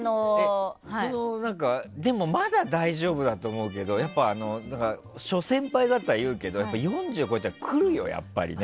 でも、まだ大丈夫だと思うけど諸先輩方いるけど４０超えたらくるよ、やっぱり。